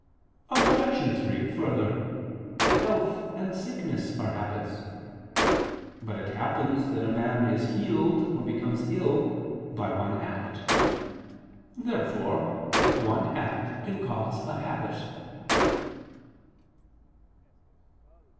Obj. 3: Further, health and sickness are habits. But it happens that a man is healed or becomes ill, by one act. Therefore one act can cause a habit.